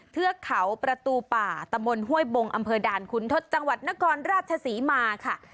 เทือกเขาประตูป่าตะมนต์ห้วยบงอำเภอด่านคุณทศจังหวัดนครราชศรีมาค่ะ